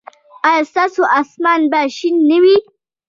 ایا ستاسو اسمان به شین نه وي؟